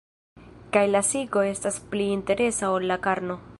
Kaj la psiko estas pli interesa ol la karno.